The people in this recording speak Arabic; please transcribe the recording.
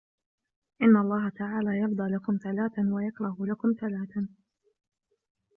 إنَّ اللَّهَ تَعَالَى يَرْضَى لَكُمْ ثَلَاثًا وَيَكْرَهُ لَكُمْ ثَلَاثًا